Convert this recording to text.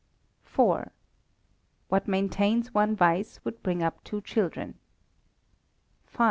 iv. "What maintains one vice would bring up two children." v.